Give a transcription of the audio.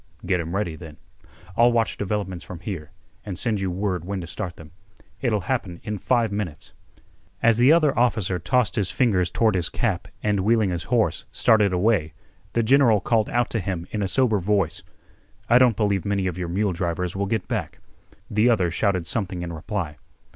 "Get 'em ready, then. I'll watch developments from here, an' send you word when t' start them. It'll happen in five minutes." As the other officer tossed his fingers toward his cap and wheeling his horse, started away, the general called out to him in a sober voice: "I don't believe many of your mule drivers will get back." The other shouted something in reply.